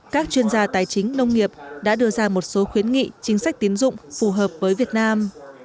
các chuyên gia tài chính nông nghiệp đã đưa ra một số khuyến nghị chính sách tiến dụng phù hợp với việt nam